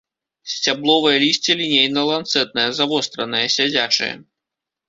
Сцябловае лісце лінейна-ланцэтнае, завостранае, сядзячае.